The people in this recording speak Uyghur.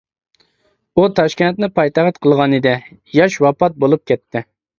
ئۇ تاشكەنتنى پايتەخت قىلغانىدى، ياش ۋاپات بولۇپ كەتتى.